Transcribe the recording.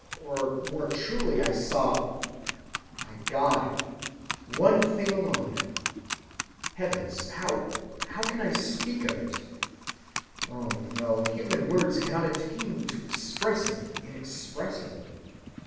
or more truly I saw, O my God, one thing alone. "Heavens, how can I speak of it? Oh no! human words cannot attain to expressing the inexpressible.